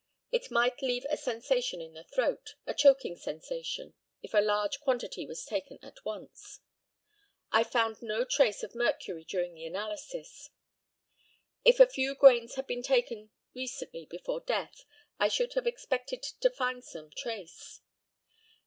It might leave a sensation in the throat a choking sensation if a large quantity was taken at once. I found no trace of mercury during the analysis. If a few grains had been taken recently before death I should have expected to find some trace.